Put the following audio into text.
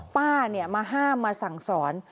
ป้ามาห้ามมาสั่งสอน